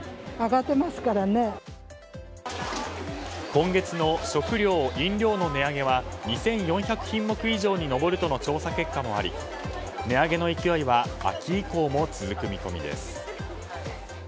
今月の食料・飲料の値上げは２４００品目以上に上るとの調査結果もあり値上げの勢いは秋以降も続く見込みです。